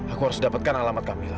aku harus dapatkan alamat kami